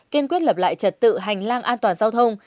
kiên quyết lập lại trật tự hành lang an toàn giao thông